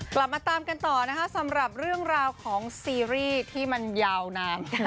กลับมาตามกันต่อนะคะสำหรับเรื่องราวของซีรีส์ที่มันยาวนาน